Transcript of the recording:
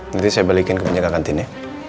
nanti saya balikin ke penjaga kantinnya